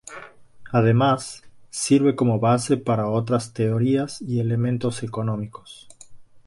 Además, sirve como base para otras teorías y modelos económicos.